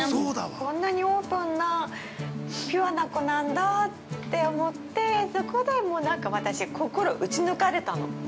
こんなにオープンなピュアな子なんだって思ってそこでもう、なんか私心撃ち抜かれたの。